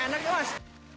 tempatnya enak mas